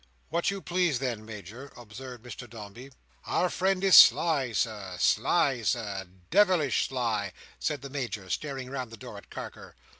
"What you please, then, Major," observed Mr Dombey. "Our friend is sly, Sir, sly, Sir, de vilish sly," said the Major, staring round the door at Carker.